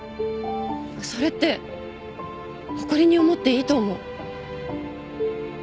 それって誇りに思っていいと思う。